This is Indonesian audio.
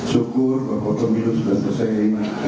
syukur bahwa pemilu sudah selesai